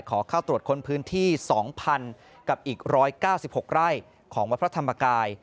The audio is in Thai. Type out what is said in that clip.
ขอเข้าตรวจค้นพื้นที่๒๐๐๐กับอีก๑๙๖ไร่ของวัดพระธรรมกาย